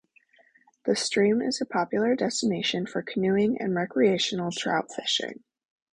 The stream is a popular destination for canoeing and recreational trout fishing.